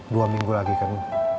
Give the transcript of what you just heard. dua minggu lagi kan